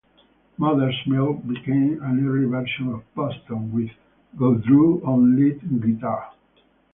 Mother's Milk became an early version of Boston, with Goudreau on lead guitar.